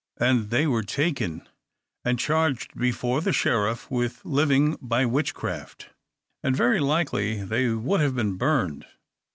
And they were taken, and charged before the Sheriff with living by witchcraft, and very likely they would have been burned.